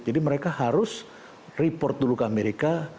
jadi mereka harus report dulu ke amerika